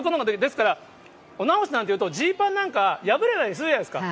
ですから、お直しなんていうと、ジーパンなんか、破れたりするじゃないですか。